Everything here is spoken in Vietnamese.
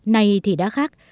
này thì đã khác